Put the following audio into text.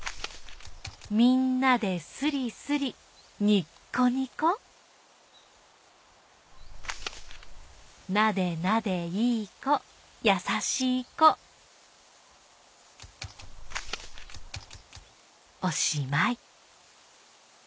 みんなですりすりにっこにこなでなでいいこやさしいこおしまい